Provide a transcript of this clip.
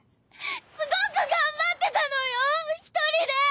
すごく頑張ってたのよ一人で！